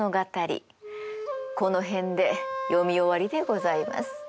この辺で読み終わりでございます。